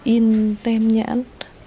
in tem nhãn